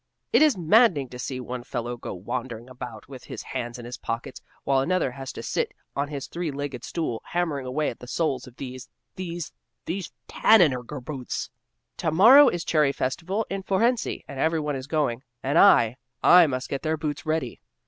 It is maddening to see one fellow go wandering about with his hands in his pockets, while another has to sit on his three legged stool, hammering away at the soles of these these these Tanneneggers' boots. To morrow is Cherry festival in Fohrensee, and every one is going; and I, I must get their boots ready!